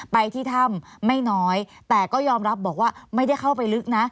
ไปที่ถ้ำไม่น้อยแต่ก็ยอมรับบอกว่าไม่ได้เข้าไปลึกนะ